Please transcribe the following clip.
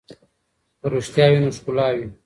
که رښتیا وي نو ښکلا وي.